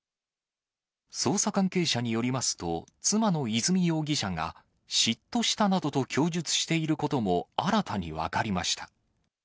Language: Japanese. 捜査関係者によりますと、妻の和美容疑者が、嫉妬したなどと供述していることも新たに分かりました。